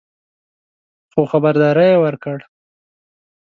خو خبرداری یې ورکړ